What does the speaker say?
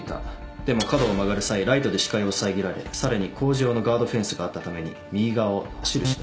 でも角を曲がる際ライトで視界を遮られさらに工事用のガードフェンスがあったために右側を走るしかなかったと。